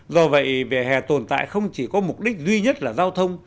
do vậy vỉa hè tồn tại không chỉ có mục đích duy nhất là giao thông